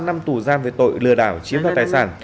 ba năm tù giam về tội lừa đảo chiếm cắp tài sản